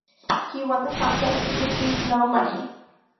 He won the contest but received no money.